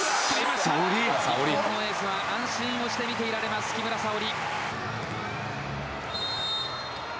日本のエースは安心をして見ていられます木村沙織。